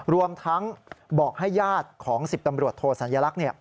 รวมทั้งบอกให้ญาติของ๑๐ตำรวจโทสัญลักษณ์